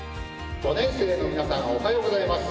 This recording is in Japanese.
５年生の皆さんおはようございます。